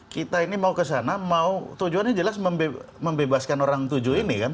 kita ini mau ke sana mau tujuannya jelas membebaskan orang tujuh ini kan